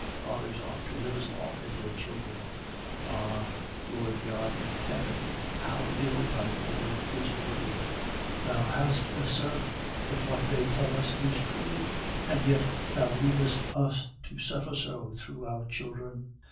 Fathers ought to live as long as their children. Ah! Lord God in heaven! how ill Thy world is ordered! Thou hast a Son, if what they tell us is true, and yet Thou leavest us to suffer so through our children.